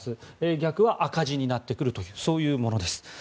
逆は赤字になってくるというそういうものです。